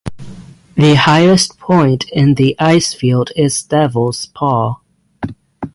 The highest point in the icefield is Devils Paw.